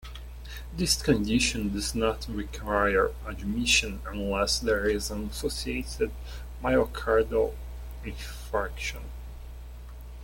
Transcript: This condition does not require admission unless there is an associated myocardial infarction.